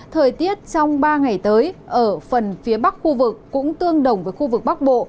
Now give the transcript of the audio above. thời tiết trong ba ngày tới ở phần phía bắc khu vực cũng tương đồng với khu vực bắc bộ